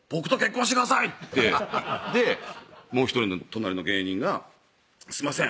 ってでもう１人の隣の芸人が「すいません